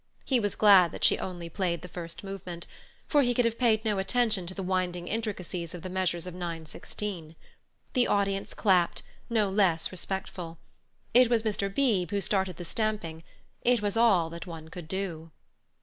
He was glad that she only played the first movement, for he could have paid no attention to the winding intricacies of the measures of nine sixteen. The audience clapped, no less respectful. It was Mr. Beebe who started the stamping; it was all that one could do.